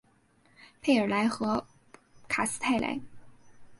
佩尔莱和卡斯泰莱。